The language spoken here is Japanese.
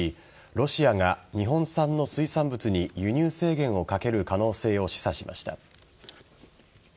ロシアが日本産の水産物に輸入制限をかける可能性を示唆しました。